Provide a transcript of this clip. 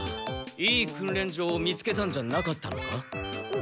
いい訓練場を見つけたんじゃなかったのか？